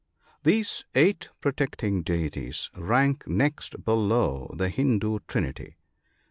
— These eight protecting deities rank next below the Hindoo Trinity.